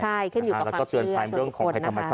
ใช่ขึ้นอยู่กับความเชื่อส่วนคน